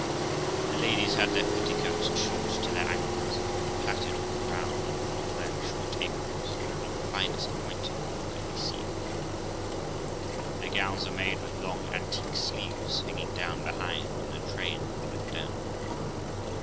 The ladies had their petticoats short to their ankles, but plaited all round, and before them short aprons, but of the finest point that could be seen. Their gowns were made with long antique sleeves hanging down behind, and a train let down.